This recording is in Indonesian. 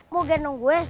mau gendong gue